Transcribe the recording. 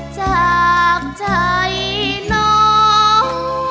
จากใจน้อง